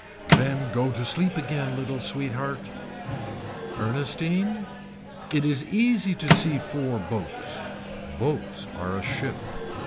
Then go to sleep again little sweetheart. Ernestine. It is easy to see four boats. Boats are a ship.